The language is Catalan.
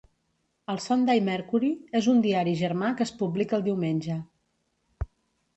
El "Sunday Mercury" és un diari germà que es publica el diumenge.